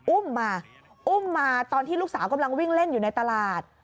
อุ้มมาอุ้มมาตอนที่ลูกสาวกำลังวิ่งเล่นอยู่ในตลาด